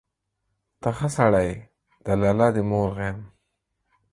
ته ښه سړى يې، د لالا دي مور غيم.